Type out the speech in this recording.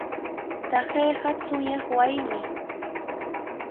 Taqayqa chunyaq wasimi.